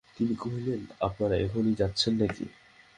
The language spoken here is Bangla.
তিনি কহিলেন, আপনারা এখনই যাচ্ছেন নাকি?